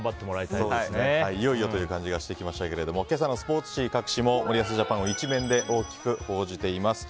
いよいよという感じがしてきましたけれども今朝のスポーツ紙各紙も森保ジャパンを１面で大きく報じています。